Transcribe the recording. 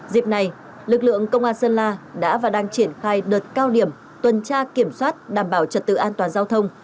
dịp này lực lượng công an sơn la đã và đang triển khai đợt cao điểm tuần tra kiểm soát đảm bảo trật tự an toàn giao thông